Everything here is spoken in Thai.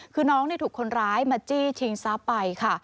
คือน้องถูกคนร้ายมาจี้ชิงทรัพย์ไปค่ะ